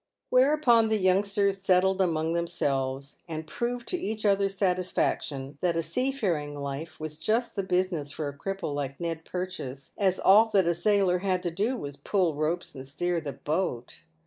"Whereupon the youngsters settled among themselves, and proved to each other's satisfaction, that a seafaring life was just the business for a cripple like Ned Purchase, as all that a sailor had to do was to pull ropes and steer the boat.